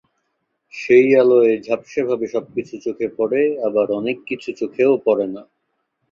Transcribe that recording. সেই আলোয় ঝাপসাভাবে সবকিছু চোখে পড়ে, আবার অনেক কিছু চোখেও পড়ে না।